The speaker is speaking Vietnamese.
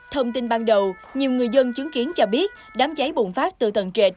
thông tin ban đầu nhiều người dân chứng kiến cho biết đám cháy bùng phát từ tầng trệt